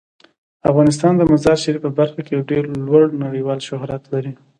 افغانستان د مزارشریف په برخه کې یو ډیر لوړ نړیوال شهرت لري.